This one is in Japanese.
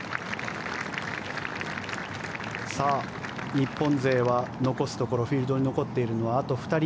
日本勢は残すところフィールドに残っているのはあと２人。